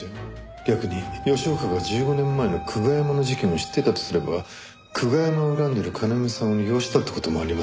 逆に吉岡が１５年前の久我山の事件を知っていたとすれば久我山を恨んでいる叶笑さんを利用したって事もありますよね。